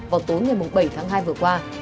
vào tối ngày bảy tháng hai vừa qua